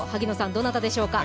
どなたでしょうか？